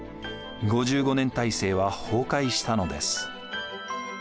５５年体制は崩壊したのです。